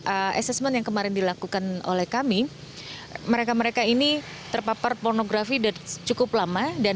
assessment yang kemarin dilakukan oleh kami mereka mereka ini terpapar pornografi sudah cukup lama